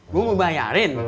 gue mau bayarin